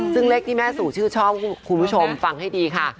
ซึ่งเลขที่แม่สู่ชื่อช่องคุณผู้ชมฟังให้ดีค่ะ